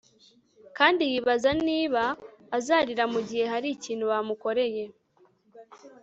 kandi yibaza niba azarira mugihe hari ikintu bamukoreye